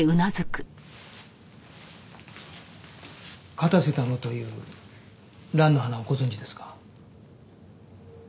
カタセタムという蘭の花はご存じですか？